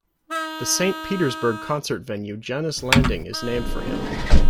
The Saint Petersburg concert venue Jannus Landing is named for him.